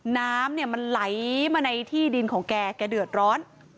น้ำมันไหลมาในที่ดินของแกแกเดือดร้อน